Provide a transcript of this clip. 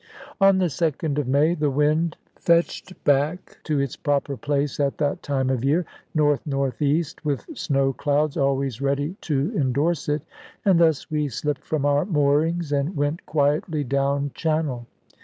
On the 2d of May the wind fetched back to its proper place at that time of year, north north east, with snow clouds always ready to endorse it; and thus we slipped from our moorings and went quietly down Channel.